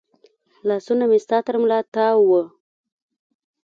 لاسونه مې ستا تر ملا تاو و